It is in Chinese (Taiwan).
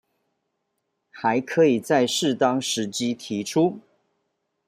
還可以在適當時機提出